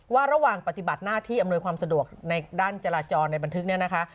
ระหว่างปฏิบัติหน้าที่อำนวยความสะดวกในด้านจราจรในบันทึกเนี่ยนะคะ